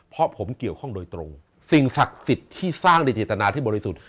เพราะผมเกี่ยวข้องโดยตรงสิ่งศักดิ์สิทธิ์ที่สร้างโดยเจตนาที่บริสุทธิ์